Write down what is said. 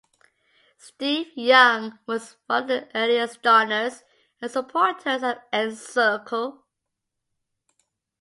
Steve Young was one of the earliest donors and supporters of Encircle.